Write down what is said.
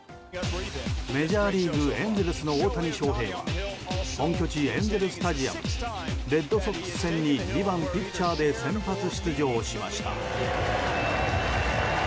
メジャーリーグエンゼルスの大谷翔平は本拠地エンゼル・スタジアムでレッドソックス戦に２番ピッチャーで先発出場しました。